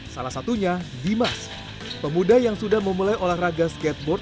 salah satunya dimas pemuda yang sudah memulai olahraga skateboard